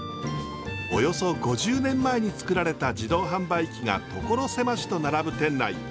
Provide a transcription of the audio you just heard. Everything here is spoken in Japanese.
およそ５０年前に作られた自動販売機が所狭しと並ぶ店内。